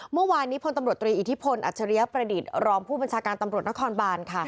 เมื่อวานนี้พลตำรวจตรีอิทธิพลอัจฉริยประดิษฐ์รองผู้บัญชาการตำรวจนครบานค่ะ